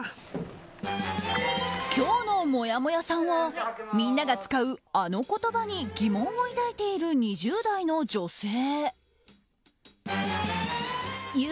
今日のもやもやさんはみんなが使うあの言葉に疑問を抱いている２０代の女性。